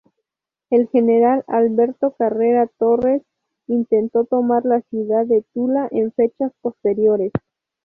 El general Alberto Carrera Torres intentó tomar la ciudad de Tula en fechas posteriores.